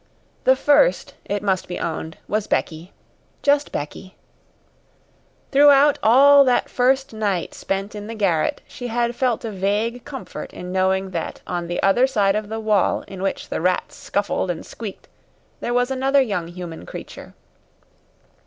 The first, it must be owned, was Becky just Becky. Throughout all that first night spent in the garret, she had felt a vague comfort in knowing that on the other side of the wall in which the rats scuffled and squeaked there was another young human creature.